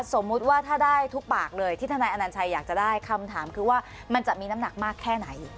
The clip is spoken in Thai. สมมุติว่าถ้าได้ทุกปากเลยที่ทนายอนัญชัยอยากจะได้คำถามคือว่ามันจะมีน้ำหนักมากแค่ไหน